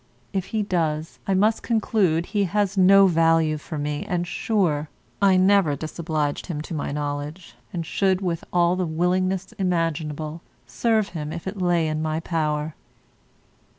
If he does, I must conclude he has no value for me, and, sure, I never disobliged him to my knowledge, and should, with all the willingness imaginable, serve him if it lay in my power.